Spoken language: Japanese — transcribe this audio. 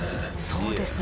そうですね。